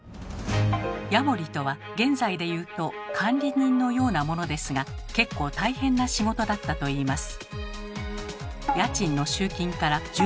「家守」とは現在で言うと管理人のようなものですが結構大変な仕事だったといいます。